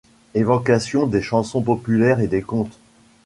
Évocation des chansons populaires et des contes.